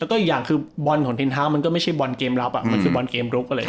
แล้วก็อีกอย่างคือบอลของทินเท้ามันก็ไม่ใช่บอลเกมรับมันคือบอลเกมลุกอะไรอย่างนี้